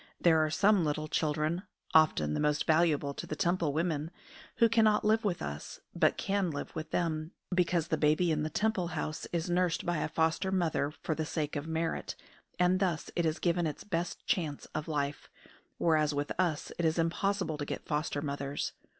There are some little children often the most valuable to the Temple women who cannot live with us, but can live with them, because the baby in the Temple house is nursed by a foster mother for the sake of merit, and thus it is given its best chance of life; whereas with us it is impossible to get foster mothers.